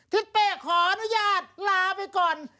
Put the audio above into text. ทิศเป้ขออนุญาตลาไปก่อน